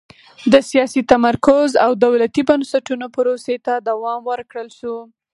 د سیاسي تمرکز او دولتي بنسټونو پروسې ته دوام ورکړل شوه.